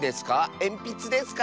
えんぴつですか？